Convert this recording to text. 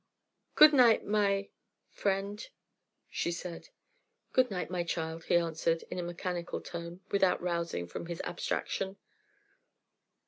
"Good night, my friend," she said. "Good night, my child," he answered in a mechanical tone, without rousing from his abstraction.